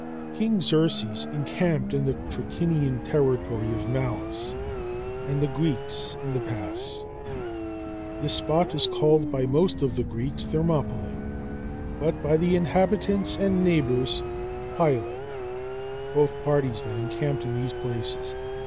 King Xerxes encamped in the Trachinian territory of Malis, and the Greeks in the pass. This spot is called by most of the Greeks, "Thermopylæ," but by the inhabitants and neighbors, "Pylæ," Both parties, then, encamped in these places.